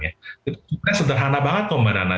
itu sebenarnya sederhana banget kok mbak nana